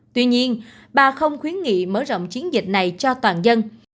tuy nhiên bà không khuyến nghị mở rộng chiến dịch này cho toàn dân